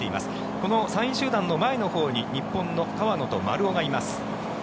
この３位集団の前のほうに日本の川野と丸尾がいます。